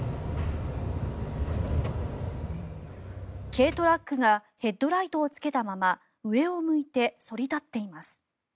軽トラックがヘッドライトをつけたまま上を向いて反り立っています。